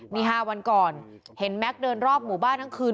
นี่๕วันก่อนเห็นแม็กซ์เดินรอบหมู่บ้านทั้งคืน